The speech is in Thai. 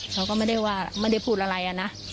เค้าก็ไม่ได้พูดอะไรอะนะ